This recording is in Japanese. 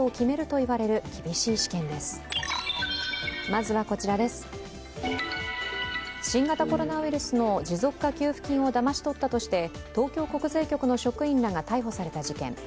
まずはこちら新型コロナウイルスの持続化給付金をだまし取ったとして東京国税局の職員らが逮捕された事件。